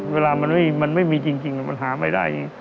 เวลามันไม่มีจริงมันหาไม่ได้